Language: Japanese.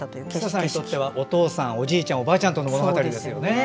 つたさんにとってお父さんおじいちゃん、おばあちゃんとの物語ですよね。